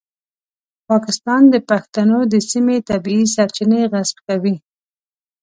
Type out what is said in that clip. پاکستان د پښتنو د سیمې طبیعي سرچینې غصب کوي.